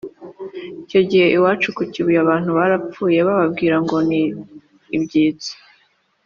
Icyo gihe iwacu ku Kibuye abantu barapfuye bababwira ngo ni ibyitso